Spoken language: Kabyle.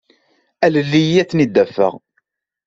Alel-iyi ad ten-id-afeɣ.